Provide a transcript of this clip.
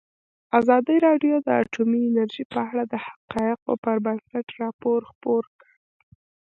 ازادي راډیو د اټومي انرژي په اړه د حقایقو پر بنسټ راپور خپور کړی.